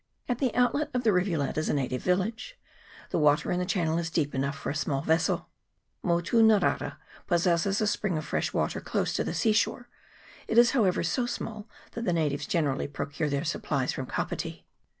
At the outlet of the rivulet is a native village. The water in the channel is deep enough for a small vessel. Motu Narara possesses a spring of fresh water close to the sea shore : it is, however, so small, that the natives generally procure their supplies from Kapiti.